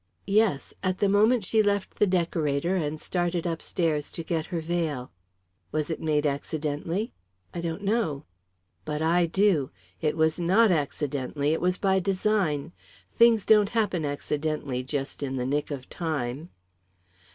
"Yes at the moment she left the decorator and started upstairs to get her veil." "Was it made accidentally?" "I don't know." "But I do. It was not accidentally it was by design. Things don't happen accidentally, just in the nick of time."